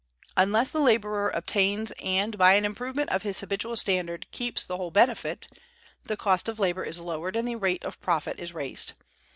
Unless the laborer obtains and, by an improvement of his habitual standard, keeps the whole benefit, the cost of labor is lowered and the rate of profit raised.